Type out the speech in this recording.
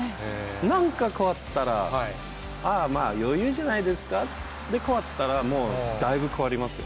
なんか変わったら、ああ、まあ、余裕じゃないですか、で、変わったらもう、だいぶ変わりますよ。